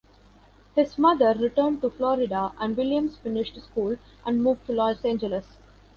His mother returned to Florida, and Williams finished school and moved to Los Angeles.